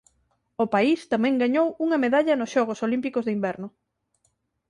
O país tamén gañou unha medalla nos Xogos Olímpicos de Inverno.